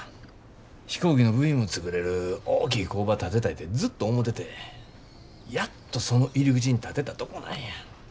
飛行機の部品も作れる大きい工場建てたいてずっと思ててやっとその入り口に立てたとこなんや。